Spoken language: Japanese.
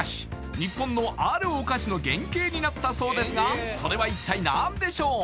日本のあるお菓子の原形になったそうですがそれは一体何でしょう